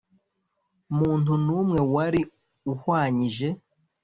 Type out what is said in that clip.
Muntu n umwe wari uhwanyije